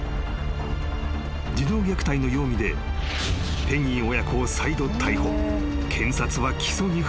［児童虐待の容疑でペギー親子を再度逮捕］